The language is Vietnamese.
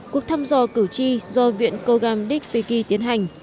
cuộc thăm dò cử tri do viện kogam dikbeki tiến hành